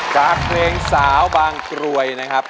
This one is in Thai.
จากเพลงสาวบางกรวยนะครับ